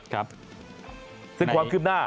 ครับซึ่งความคืบหน้า